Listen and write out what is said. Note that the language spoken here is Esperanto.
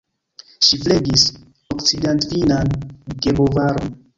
Ŝi flegis okcidentfinnan gebovaron.